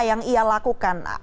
yang ia lakukan